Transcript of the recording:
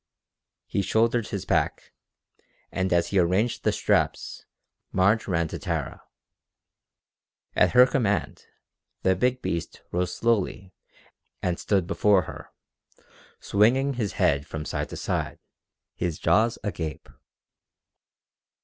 He shouldered his pack, and as he arranged the straps Marge ran to Tara. At her command the big beast rose slowly and stood before her, swinging his head from side to side, his jaws agape.